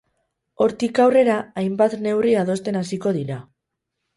Hortik aurrera, hainbat neurri adosten hasiko dira.